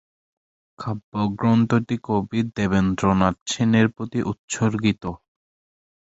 কাব্যগ্রন্থটি কবি দেবেন্দ্রনাথ সেনের প্রতি উৎসর্গিত।